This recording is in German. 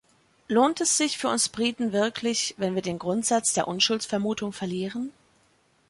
Lohnt es sich für uns Briten wirklich, wenn wir den Grundsatz der Unschuldsvermutung verlieren?